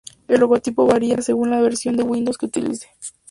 El logotipo variará según la versión de Windows que se utilice.